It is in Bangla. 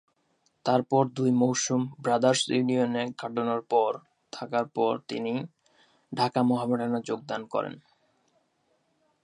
তারপর দুই মৌসুম ব্রাদার্স ইউনিয়নে কাটানোর পর থাকার পর তিনি ঢাকা মোহামেডানে যোগদান করেন।